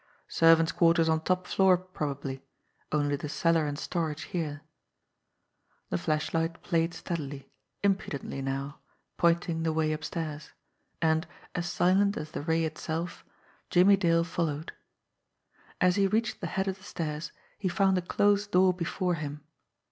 "Servants' quarters on top floor probably; only the cellar and storage here." The flashlight played steadily, impudently now, pointing the way upstairs ; and, as silent as the ray itself, Jimmie Dale followed. As he reached the head of the stairs he found a closed door before him.